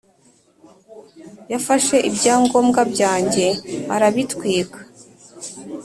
Yafashe ibyangombwa byange arabitwika